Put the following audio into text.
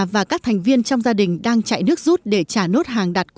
vậy thì bảy trăm linh năm đó thì ở làng này